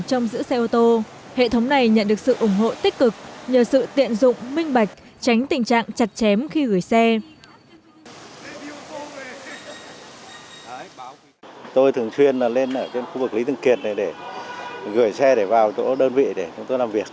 trong giữ xe ô tô hệ thống này nhận được sự ủng hộ tích cực nhờ sự tiện dụng